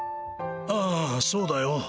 ああそうだよ